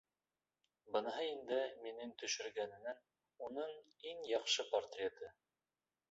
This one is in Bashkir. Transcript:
Быныһы инде, мин төшөргәненән, уның иң яҡшы портреты.